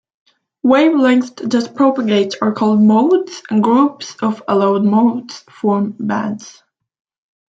Wavelengths that propagate are called "modes", and groups of allowed modes form bands.